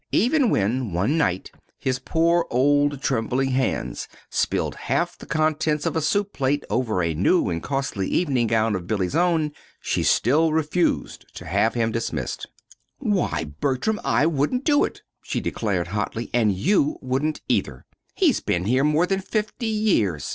Even when one night his poor old trembling hands spilled half the contents of a soup plate over a new and costly evening gown of Billy's own, she still refused to have him dismissed. "Why, Bertram, I wouldn't do it," she declared hotly; "and you wouldn't, either. He's been here more than fifty years.